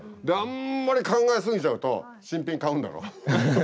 あんまり考えすぎちゃうと新品買うんだろ？